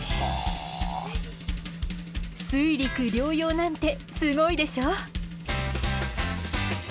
水陸両用なんてすごいでしょ？